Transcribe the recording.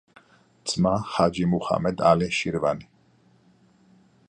ძმა ჰაჯი მუჰამედ ალი შირვანი.